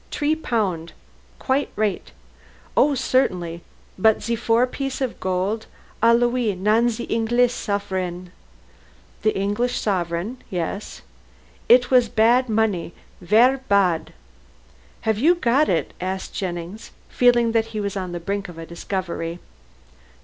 Tree pound; quite raight; oh, certainly. But ze four piece of gold, a louis non ze Englees sufferin " "The English sovereign. Yes." "It was bad money ver bad." "Have you got it?" asked Jennings, feeling that he was on the brink of a discovery.